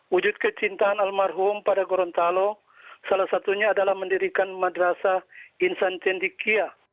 wujud kecintaan almarhum pada gorontalo salah satunya adalah mendirikan madrasa insantin dikia